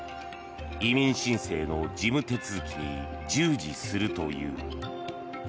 移民申請の事務手続きに従事するという。